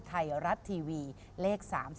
ไทยรัฐทีวีเลข๓๒